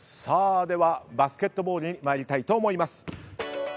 さあではバスケットボールに参りたいと思います。